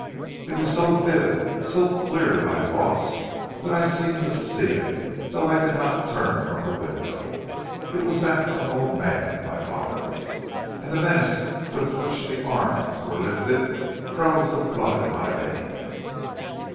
It was so vivid, so clear to my thoughts, that I seemed to see it, though I did not turn from the window. It was that of an old man my father's, and the menace with which the arms were lifted froze the blood in my veins.